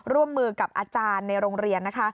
ร่วมมือกับอาจารย์ในโรงเรียนนะคะ